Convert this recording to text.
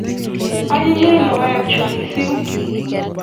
Anyinyen logoek chu missing'